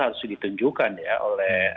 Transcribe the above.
harus ditunjukkan ya oleh